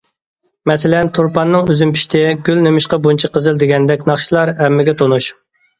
مەسىلەن،‹‹ تۇرپاننىڭ ئۈزۈمى پىشتى››،‹‹ گۈل نېمىشقا بۇنچە قىزىل›› دېگەندەك ناخشىلار ھەممىگە تونۇش.